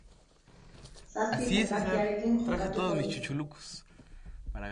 Zazpi zenbakiarekin jokatuko du.